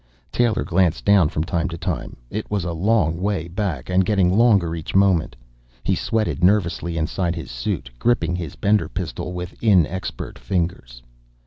Taylor glanced down from time to time. It was a long way back, and getting longer each moment. He sweated nervously inside his suit, gripping his Bender pistol with inexpert fingers.